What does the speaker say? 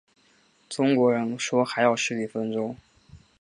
中国人说还要十几分钟